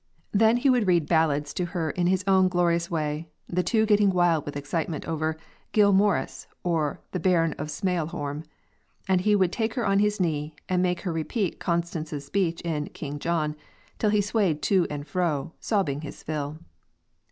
Then he would read ballads to her in his own glorious way, the two getting wild with excitement over 'Gil Morrice' or the 'Baron of Smailholm'; and he would take her on his knee, and make her repeat Constance's speech in 'King John,' till he swayed to and fro, sobbing his fill....